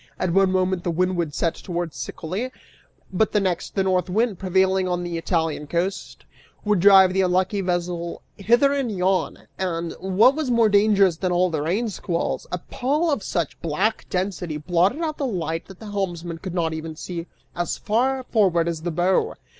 At one moment the wind would set towards Sicily, but the next, the North Wind, prevailing on the Italian coast, would drive the unlucky vessel hither and yon; and, what was more dangerous than all the rain squalls, a pall of such black density blotted out the light that the helmsman could not even see as far forward as the bow.